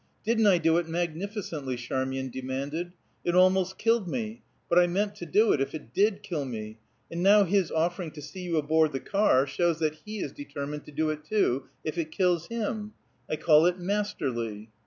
"Didn't I do it magnificently?" Charmian demanded. "It almost killed me; but I meant to do it if it did kill me; and now his offering to see you aboard the car shows that he is determined to do it, too, if it kills him. I call it masterly."